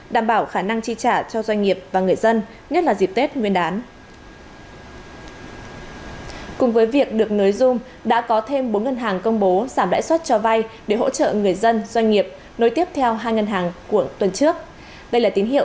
đảm bảo khả năng chi trả cho doanh nghiệp và người dân nhất là dịp tết nguyên đán